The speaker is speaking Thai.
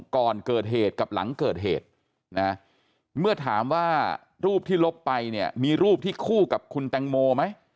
ก่อนเกิดเหตุกับหลังเกิดเหตุนะเมื่อถามว่ารูปที่ลบไปเนี่ยมีรูปที่คู่กับคุณแตงโมไหม